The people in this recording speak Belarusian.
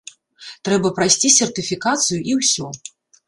Трэба прайсці сертыфікацыю, і ўсё.